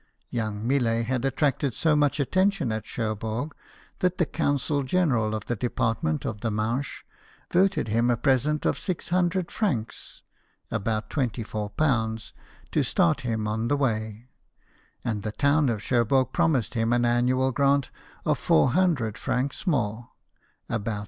Young Millet had attracted so much attention at Cherbourg, that the Council General of the Department of the Manche voted him a present of six hundred francs (about ^24) to start him on the way ; and the town of Cherbourg promised him an annual grant of four hundred francs more (about 16).